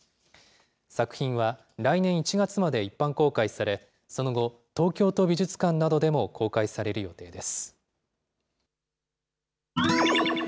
作品は来年１月まで一般公開され、その後、東京都美術館などでも公開される予定です。